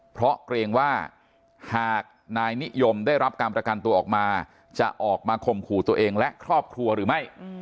เพราะเกรงว่าหากนายนิยมได้รับการประกันตัวออกมาจะออกมาข่มขู่ตัวเองและครอบครัวหรือไม่